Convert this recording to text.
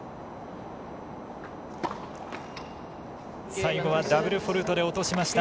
最後はダブルフォールトで落としました。